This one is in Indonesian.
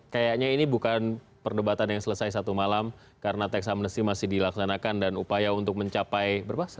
kayaknya ini bukan perdebatan yang selesai satu malam karena tax amnesty masih dilaksanakan dan upaya untuk mencapai